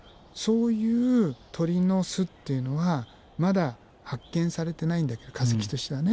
そういう鳥の巣っていうのはまだ発見されてないんだけど化石としてはね。